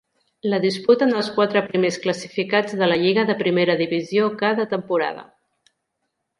La disputen els quatre primers classificats de la lliga de primera divisió cada temporada.